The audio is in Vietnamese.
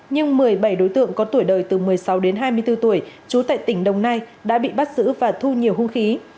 nhưng một mươi bảy đối tượng có tuổi đời từ một mươi sáu đến hai mươi bốn tuổi trú tại tỉnh đồng nai đã bị bắt giữ và thu nhiều hung khí